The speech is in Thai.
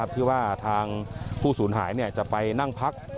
ที่ว่าทางผู้สูญหายจะไปนั่งพัก